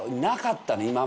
なかったね